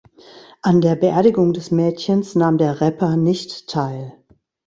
An der Beerdigung des Mädchens nahm der Rapper nicht teil.